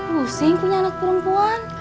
pusing punya anak perempuan